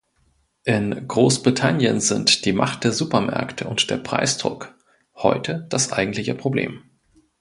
In Großbritannien sind die Macht der Supermärkte und der Preisdruck heute das eigentliche Problem.